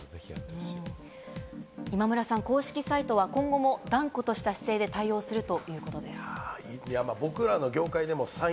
今村さん、公式サイトは今後も断固とした姿勢で対応するということです。